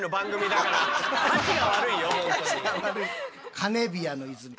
カネビアの泉。